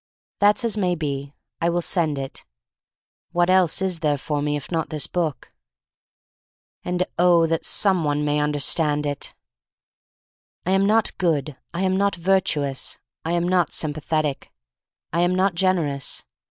That's as may be. I will send it. What else is there for me, if not this book? 320 THE STORY OF MARY MAC LANE 32 1 And, oh, that some one may under stand it! — I am not good. I am not virtuous. I am not sympathetic. I am not gener ous.